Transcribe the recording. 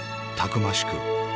たくましく